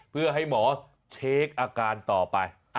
เพื่อให้หมอเช็คอาการต่อไป